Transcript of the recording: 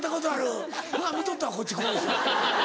ほな見とったこっち。